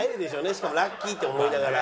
しかもラッキーって思いながら。